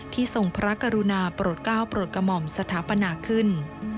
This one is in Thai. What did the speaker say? ที่ทรงพระกรุณาปรดก้าวปรดกมอมสถาปนาขึ้น